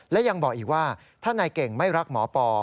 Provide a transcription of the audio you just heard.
และยังบอกอีกว่าถ้านายเก่งไม่รักหมอปอ